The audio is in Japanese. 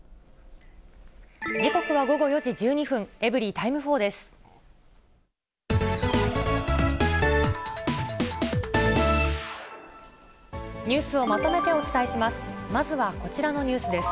時刻は午後４時１２分、エブリィタイム４です。